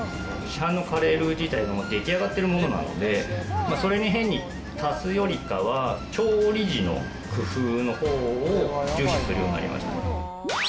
市販のカレールー自体がもう出来上がってるものなので、それに変に足すよりかは、調理時の工夫のほうを重視するようになりました。